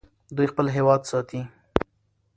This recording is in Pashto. دوی خپل هېواد ساتي.